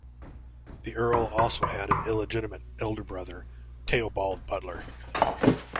The Earl also had an illegitimate elder brother, Theobald Butler.